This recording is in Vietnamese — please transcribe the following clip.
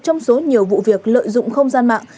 trong số nhiều vụ việc lợi dụng không gian mạng